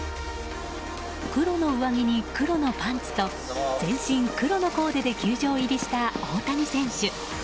黒の上着に黒のパンツと全身、黒のコーデで球場入りした大谷選手。